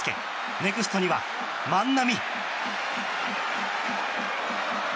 ネクストには万波。